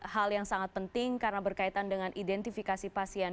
hal yang sangat penting karena berkaitan dengan identifikasi pasien